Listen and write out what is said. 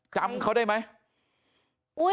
จำเขาได้ไหม